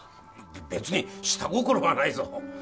べべつに下心はないぞ。